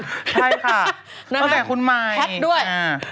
ใช่ค่ะตั้งแต่คุณหมาย